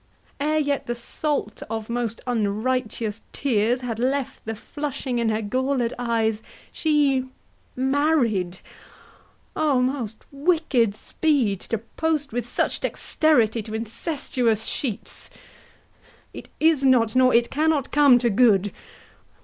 Ere yet the salt of most unrighteous tears Had left the flushing in her galled eyes, She married. O most wicked speed, to post With such dexterity to incestuous sheets! It is not, nor it cannot come to good.